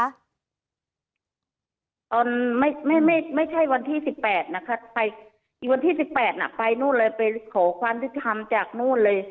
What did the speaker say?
ตอนไม่ไม่ไม่ไม่ใช่วันที่สิบแปดนะคะไปวันที่สิบแปดน่ะไปนู่นเลยไปขอความสิทธิ์ทำจากนู่นเลย